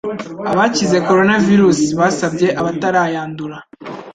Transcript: Abakize Coronavirus basabye abatarayandura